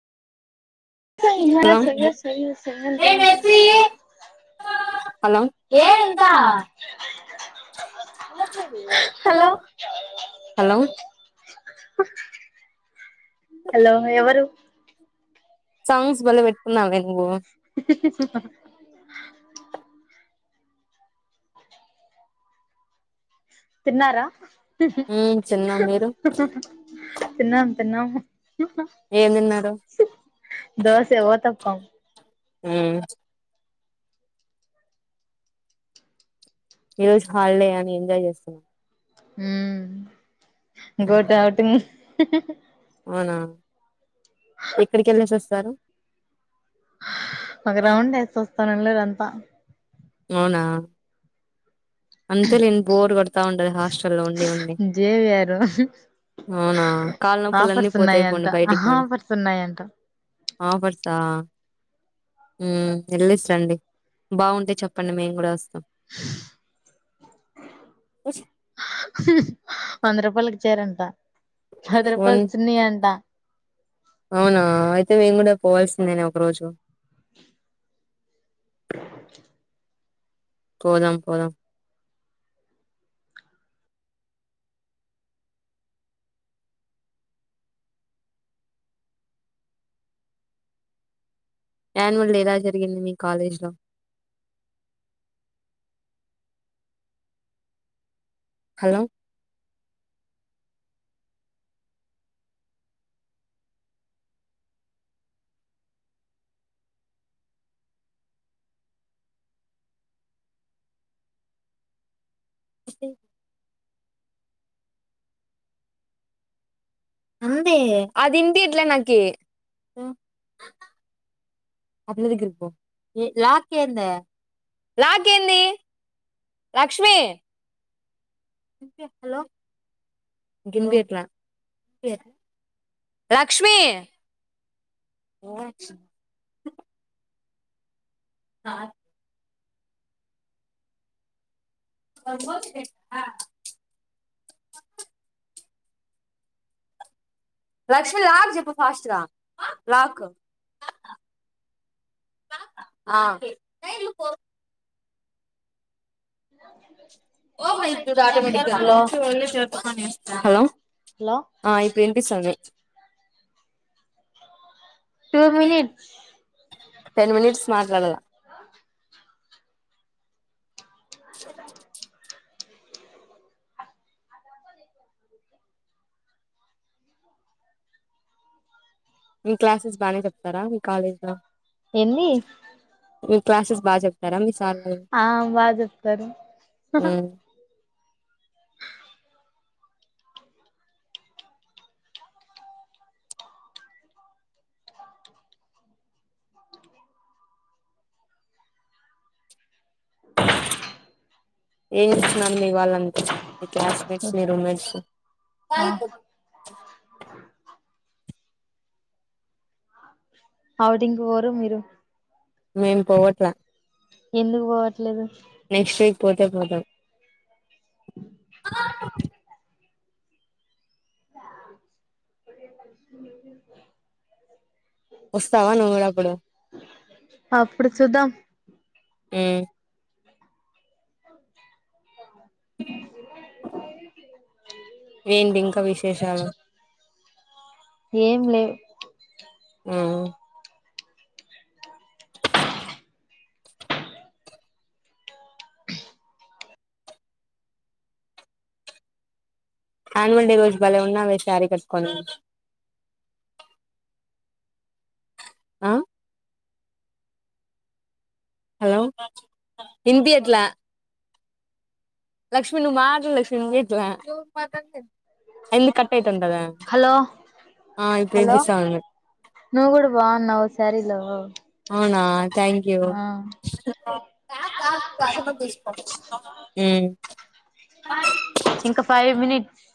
Hello [unintelligible] hello ఏ ఎంతా hello! Hello hello ఎవరు? సాంగ్స్ బలే పెట్కున్నావే నువ్వు తిన్నారా? ఉమ్ తిన్నాం మీరు తిన్నాం. ఏం తిన్నారు దోస ఊతప్పం. మ్ ఈ రోజు హాల్డే అని ఎంజాయ్ చేస్తున్నాం. మ్ గో టూ ఓటింగ్ అవునా ఎక్కడికెళ్ళేసి వస్తారు. ఒక రౌండ్ ఏస్ వస్తాను. [inaudible] అంతా అవునా అంతేలే బోర్ కొడ్తా ఉంటది హాస్టల్లో ఉండి ఉండి జేవిఆర్ అవునా కాల్ నొప్పులన్నీ ఆఫర్స్ పోతాయి పొండి ఉన్నాయంట బయటిక్ పొం ఆఫర్స్ ఉన్నాయంట ఆఫర్సా మ్ ఎల్లేసి రండి బాగుంటే చెప్పండి మేం గుడా వస్ వంద రూపాయక్ చీరంట. పది ఉం రూపాయలకి చున్నీ అంట అవునా అయితే మేం గుడ పోవాల్సిందేనే ఒక రోజు పోదాం పోదాం. యాన్వల్ ఎలా జరిగింది మీ కాలేజ్లో హలో! [inaudible] అంతే దిండి ఇట్ల నాకి అక్క దగ్గరికి పో ఏ లాక్ ఏందే లాక్ ఏంది లక్ష్మి హలో [unintelligible] లక్ష్మి లక్ష్ ఆ అ లక్ష్మీ లాక్ చెప్పు ఫస్ట్గా లాక్ ఆ అ హలో హలో ఆ ఇప్పుడ్ ఇన్పిస్తాంది. టూ మినిట్స్ టెన్ మినిట్స్ మాట్లాడాలా స మీ క్లాసెస్ బాగానే చెప్తారా మీ కాలేజ్లో ఎన్ని మీ క్లాసెస్ బా చెప్తారా మీ సార్ వాళ్ళు ఆ బా చెప్తారు. ఏ ఇచ్చినం మీ వాళ్ళన్ మీ క్లాస్మెట్స్ మీ రూమ్మెంట్స్ అవుటింగ్ వోరు మీరు మేను పోవట్లా ఎందుకు పోవట్లేదు నెక్స్ట్ వీక్ పోతే పోదాం వస్తావా నువ్వుప్పుడు అప్పుడు సుదా ఆ ఏందీ ఇంకా విశేషాలు ఏం లేవు మ్ యాన్యువల్ డే రోజు భాలే ఉన్నాే శారీ కట్టుకో ఆ హలో హిందీట్లా క్ష్మీ నువ మాత్ర క్ష్మీతు ఎందు కట్ అయితు ఉండద హలో ఆ ఇప్పుడు ఇ నువ కూడాడు బాన్నావ్వు స్యారీలోవ అవునా థ్యాంక్ యూ మ్మ్ ఇంకా ఫైవ్ మినిట్